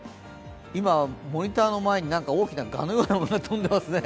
今、モニターの中に大きなガのようなものが寄ってますね。